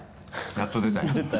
やっと出た。